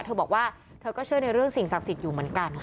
เธอบอกว่าเธอก็เชื่อในเรื่องสิ่งศักดิ์สิทธิ์อยู่เหมือนกัน